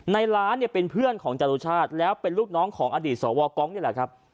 ในร้านเนี่ยเป็นเพื่อนของจรุชาติแล้วเป็นลูกน้องของอดีตสวกองนี่แหละครับ